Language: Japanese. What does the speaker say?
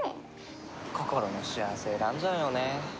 心の幸せ選んじゃうよね。